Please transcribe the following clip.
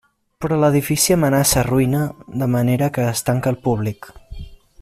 Però l'edifici amenaça ruïna, de manera que es tanca al públic.